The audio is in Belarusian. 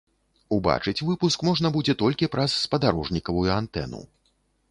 Убачыць выпуск можна будзе толькі праз спадарожнікавую антэну.